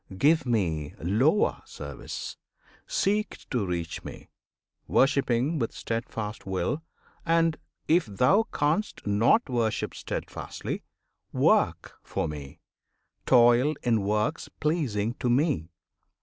give Me lower service! seek To reach Me, worshipping with steadfast will; And, if thou canst not worship steadfastly, Work for Me, toil in works pleasing to Me!